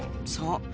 そう！